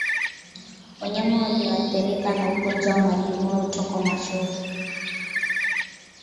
Wanyama walioathirika na ugonjwa wa majimoyo hutokwa machozi